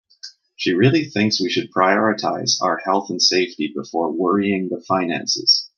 She really thinks we should prioritize our health and safety before worrying the finances.